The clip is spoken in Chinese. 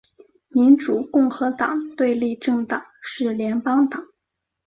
民主共和党的对立政党是联邦党。